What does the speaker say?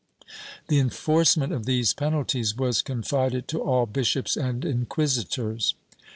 The enforcement of these penalties was confided to all l^ishops and inquisitors.